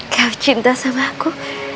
kau cinta sama aku